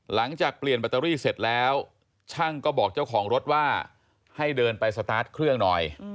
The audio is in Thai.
หลังจากเปลี่ยนแบตเตอรี่เสร็จแล้วช่างก็บอกเจ้าของรถว่าให้เดินไปสตาร์ทเครื่องหน่อย